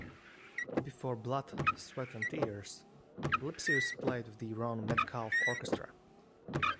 Before Blood, Sweat and Tears, Lipsius played with the Ronn Metcalfe Orchestra.